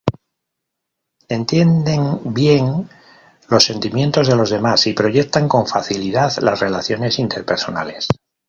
Entienden bien los sentimientos de los demás y proyectan con facilidad las relaciones interpersonales.